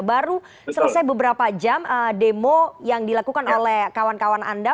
baru selesai beberapa jam demo yang dilakukan oleh kawan kawan anda